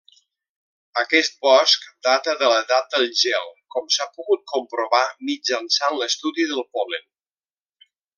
Aquest bosc data de l'edat del gel, com s'ha pogut comprovar mitjançant l'estudi del pol·len.